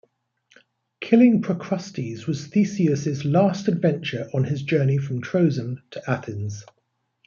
Killing Procrustes was Theseus' last adventure on his journey from Troezen to Athens.